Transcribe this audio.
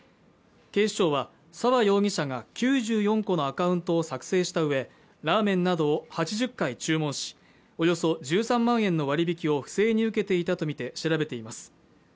警視庁は沢容疑者が９４個のアカウントを作成したうえラーメンなど８０回注文しおよそ１３万円の割引を不正に受けていたとみて調べています